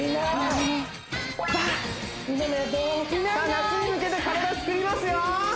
さあ夏に向けて体つくりますよ